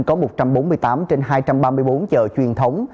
có một trăm bốn mươi tám trên hai trăm ba mươi bốn chợ truyền thống